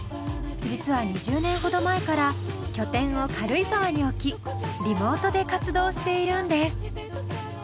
実は２０年ほど前から拠点を軽井沢に置きリモートで活動しているんです。